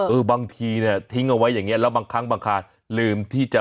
บางทีเนี่ยทิ้งเอาไว้อย่างเงี้แล้วบางครั้งบางคราลืมที่จะ